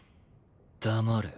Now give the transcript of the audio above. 黙れ。